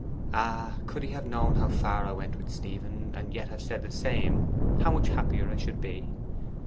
'Ah, could he have known how far I went with Stephen, and yet have said the same, how much happier I should be!